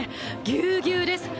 ぎゅうぎゅうです。